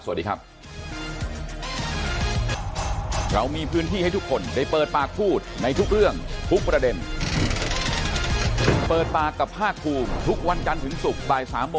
สวัสดีครับ